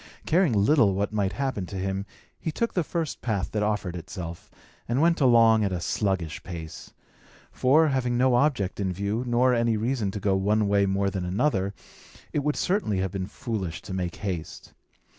Caring little what might happen to him, he took the first path that offered itself, and went along at a sluggish pace; for, having no object in view, nor any reason to go one way more than another, it would certainly have been foolish to make haste.